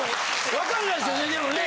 分かんないですよねでもね。